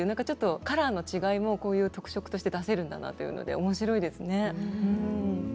カラーの違いも特色として出せるんだなって、おもしろいですね。